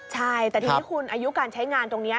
ใช่แต่ทีนี้คุณอายุการใช้งานตรงนี้